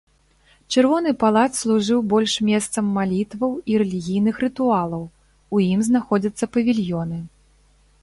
Чырвоны палац служыў больш месцам малітваў і рэлігійных рытуалаў, у ім знаходзяцца павільёны.